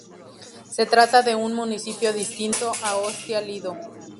Se trata de un municipio distinto a Ostia Lido.